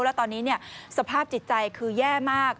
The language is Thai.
แล้วตอนนี้สภาพจิตใจคือแย่มาก